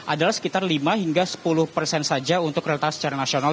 adalah sekitar lima hingga sepuluh persen saja untuk kereta secara nasional